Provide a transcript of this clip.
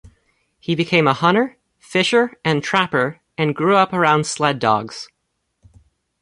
He became a hunter, fisher, and trapper, and grew up around sled dogs.